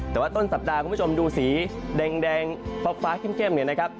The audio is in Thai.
แต่ว่าต้นสัปดาห์คุณผู้ชมดูสีแดงฟ้าเข้มเนี่ยนะครับ